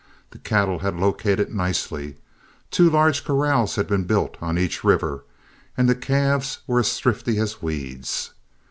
The cattle had located nicely, two large corrals had been built on each river, and the calves were as thrifty as weeds.